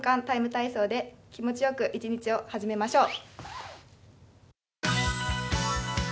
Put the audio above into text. ＴＩＭＥ，体操」で気持ちよく一日を始めましょう。